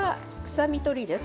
臭み取りです。